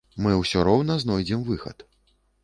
Мы ўсё роўна знойдзем выхад.